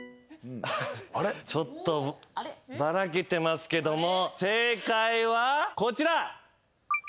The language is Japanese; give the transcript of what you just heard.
ちょっとばらけてますけども正解はこちら。